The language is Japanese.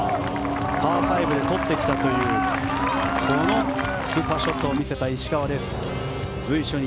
パー５で取ってきたというスーパーショットを見せた石川。